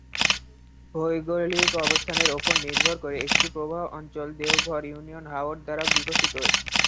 ভৌগোলিক অবস্থানের উপর নির্ভর করে একটি প্রবাহ অঞ্চল দেওঘর ইউনিয়ন হাওর দ্বারা বিকশিত হয়েছে।